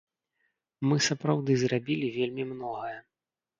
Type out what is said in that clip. Мы сапраўды зрабілі вельмі многае.